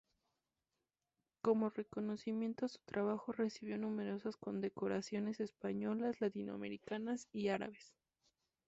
Como reconocimiento a su trabajo recibió numerosas condecoraciones españolas, latinoamericanas y árabes.